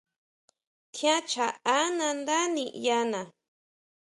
Tjián chaʼá nandá niʼyana.